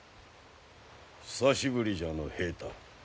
久しぶりじゃの平太。